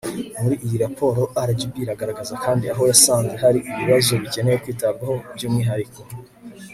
muri iyi raporo, rgb iragaragaza kandi aho yasanze hari ibibazo bikeneye kwitabwaho by'umwihariko